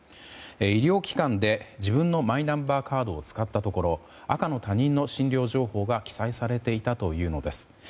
医療機関で自分のマイナンバーカードを使ったところ赤の他人の診療情報が記載されていたというのです。